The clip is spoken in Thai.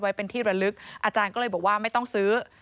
ไว้เป็นที่ระลึกอาจารย์ก็เลยบอกว่าไม่ต้องซื้อ